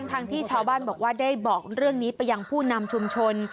ทั้งที่ชาวบ้านบอกว่าได้บอกเรื่องนี้ไปยังผู้นำชุมชน